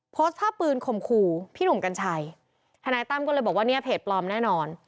โพสต์ภาพปืนข่มขู่พี่หนุ่มกัญชัยทนายตั้มก็เลยบอกว่าเนี่ยเพจปลอมแน่นอน